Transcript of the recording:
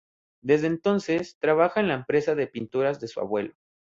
Desde entonces, trabaja en la empresa de pinturas de su abuelo.